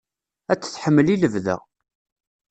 Ad t-tḥemmel i lebda.